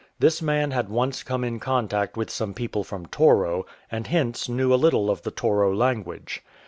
This man had once come in contact with some people from Toro, and hence knew a little of the Toro language.